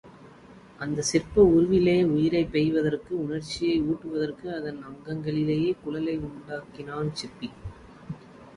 அந்தச் சிற்ப உருவிலே உயிரைப் பெய்வதற்கு, உணர்ச்சியை ஊட்டுவதற்கு, அதன் அங்கங்களிலே குழைவை உண்டாக்குகிறான் சிற்பி.